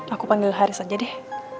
aku panggil haris aja deh